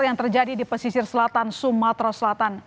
yang terjadi di pesisir selatan sumatera selatan